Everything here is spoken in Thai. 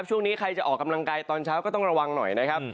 ช่วงนี้ใครจะออกกำลังกายตอนเช้าก็ต้องระวังหน่อยนะครับ